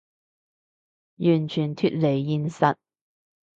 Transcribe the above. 完全脫離現實